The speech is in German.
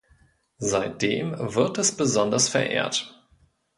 Seitdem wird es besonders verehrt.